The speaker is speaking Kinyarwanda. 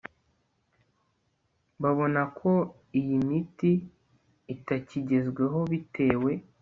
babona ko iyi miti itakigezweho bitewe